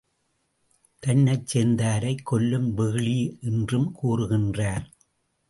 தன்னைச் சேர்ந்தாரைக் கொல்லும் வெகுளி என்றும் கூறுகின்றார்.